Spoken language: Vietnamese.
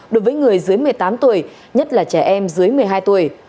đối với người dưới một mươi tám tuổi nhất là trẻ em dưới một mươi hai tuổi